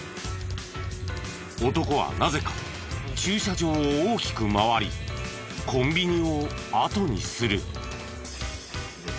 男はなぜか駐車場を大きく回りコンビニを後にする。